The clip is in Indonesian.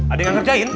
ada yang ngerjain